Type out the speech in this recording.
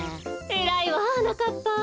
えらいわはなかっぱ。